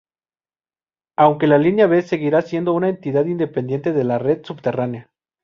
Aunque la Línea B seguiría siendo una entidad independiente en la red subterránea.